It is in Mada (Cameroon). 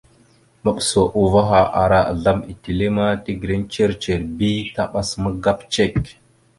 Maɓəsa uvah ara azlam etelle ma tegreŋ ndzir ndzir bi taɓas magap cek.